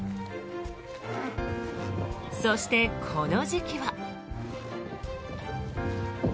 そして、この時期は。